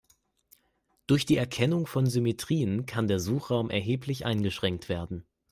Durch die Erkennung von Symmetrien kann der Suchraum erheblich eingeschränkt werden.